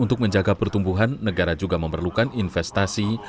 untuk menjaga pertumbuhan negara juga memerlukan investasi